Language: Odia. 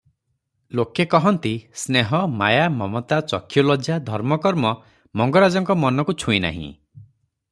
ଲୋକେ କହନ୍ତି ସ୍ନେହ, ମାୟା, ମମତା, ଚକ୍ଷୁଲଜ୍ଜା, ଧର୍ମକର୍ମ ମଙ୍ଗରାଜଙ୍କ ମନକୁ ଛୁଇଁନାହିଁ ।